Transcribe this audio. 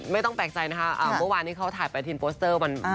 ไม่ต้องแปลกใจนะคะเมื่อวานนี้เขาถ่ายไปทีนโปสเตอร์มัน